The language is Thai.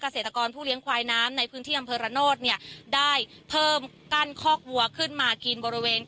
เกษตรกรผู้เลี้ยงควายน้ำในพื้นที่อำเภอระโนธเนี่ยได้เพิ่มกั้นคอกวัวขึ้นมากินบริเวณ